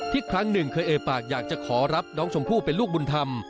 ครั้งหนึ่งเคยเอ่ยปากอยากจะขอรับน้องชมพู่เป็นลูกบุญธรรม